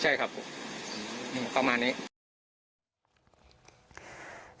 ใช่ครับผมประมาณนี้